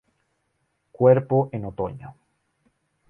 Cuerpo en otoño.